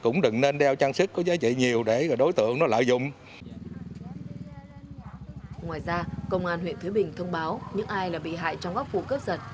ngoài ra công an huyện thới bình thông báo những ai là bị hại trong các vụ cướp giật